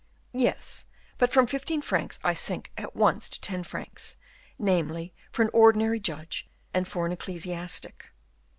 "Yes; but from fifteen francs I sink at once to ten francs; namely, for an ordinary judge, and for an ecclesiastic."